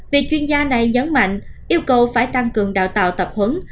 việc chuyên gia này nhấn mạnh yêu cầu phải tăng cường đào tạo tập huấn